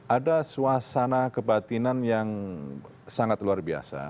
ada suasana kebatinan yang sangat luar biasa